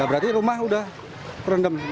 berarti rumah sudah kerendam